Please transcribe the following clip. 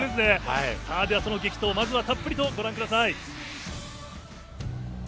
その激闘、まずはたっぷりとご覧ください。